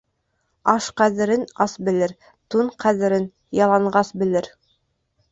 Аш ҡәҙерен ас белер, тун ҡәҙерен яланғас белер.